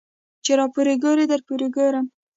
ـ چې راپورې ګورې درپورې ګورم.